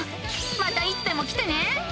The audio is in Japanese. またいつでも来てね。